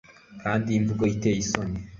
Kandi imvugo iteye isoni